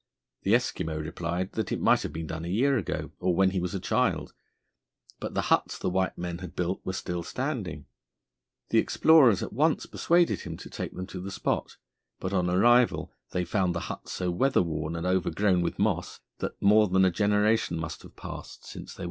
The Eskimo replied that it might have been done a year ago or when he was a child, but the huts the white men had built were still standing. The explorers at once persuaded him to take them to the spot, but on arrival they found the huts so weather worn and overgrown with moss that more than a generation must have passed since they were built.